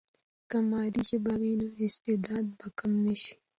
که مادي ژبه وي، نو استعداد به کم نه سي.